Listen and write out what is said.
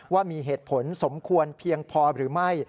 ว่ามีเหตุผลสมควรเพียงพอหรือไม่